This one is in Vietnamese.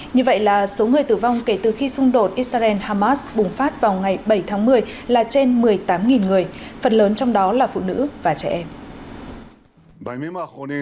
như vậy là số người tử vong kể từ khi xung đột israel hamas bùng phát vào ngày bảy tháng một mươi là trên một mươi tám người phần lớn trong đó là phụ nữ và trẻ em